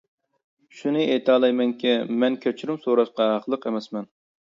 شۇنى ئېيتالايمەنكى، مەن كەچۈرۈم سوراشقا ھەقلىق ئەمەسمەن.